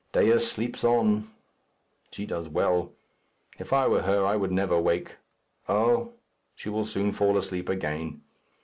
Dea sleeps on. She does well. If I were she I would never awake. Oh! she will soon fall asleep again.